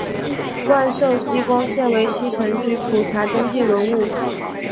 万寿西宫现为西城区普查登记文物。